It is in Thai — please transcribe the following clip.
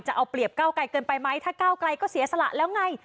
จะเอาเปรียบก้าวไกลเกินไปไหมถ้าก้าวไกลก็เสียสละแล้วไง